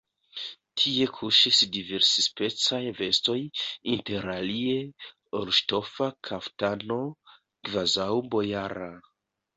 Tie kuŝis diversspecaj vestoj, interalie orŝtofa kaftano, kvazaŭ bojara.